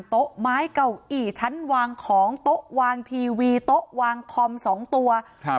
โต๊ะไม้เก่าอี้ชั้นวางของโต๊ะวางทีวีโต๊ะวางคอมสองตัวครับ